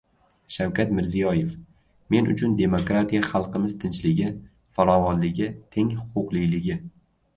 Shavkat Mirziyoyev: Men uchun demokratiya xalqimiz tinchligi, farovonligi, teng huquqliligi